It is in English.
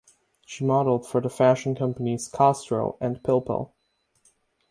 She modeled for fashion companies "Castro" and "Pilpel".